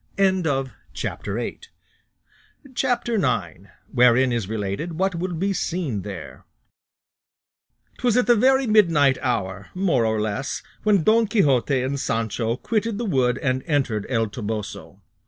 CHAPTER IX. WHEREIN IS RELATED WHAT WILL BE SEEN THERE 'Twas at the very midnight hour more or less when Don Quixote and Sancho quitted the wood and entered El Toboso.